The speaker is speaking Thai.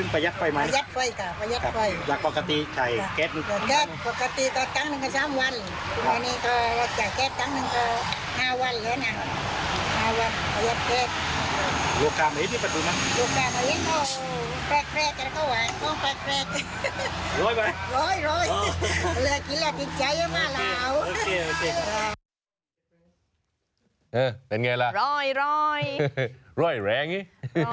เป็นไงล่ะร่อยแหลงนี้